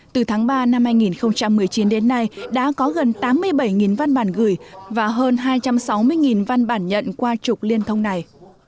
từ tháng ba năm hai nghìn một mươi chín đến nay đã có gần tám mươi bảy văn bản gửi và hơn hai trăm sáu mươi văn bản nhận qua trục liên thông này